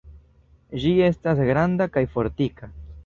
Ĝi estas granda kaj fortika.